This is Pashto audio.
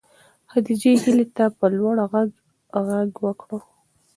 خدیجې هیلې ته په لوړ غږ غږ وکړ.